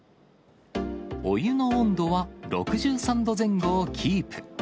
お湯の温度は６３度前後をキープ。